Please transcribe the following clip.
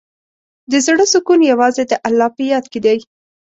د زړۀ سکون یوازې د الله په یاد کې دی.